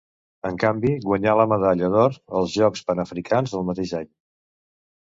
En canvi, guanyà la medalla d'or als Jocs Panafricans del mateix any.